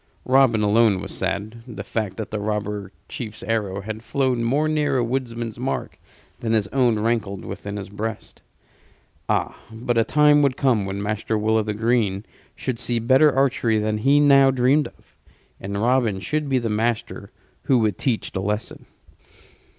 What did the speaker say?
Robin alone was sad; the fact that the robber chief's arrow had flown more near a woodman's mark than his own rankled within his breast. Ah, but a time would come when Master Will o' th' Green should see better archery than he now dreamed of. And Robin should be the master who would teach the lesson.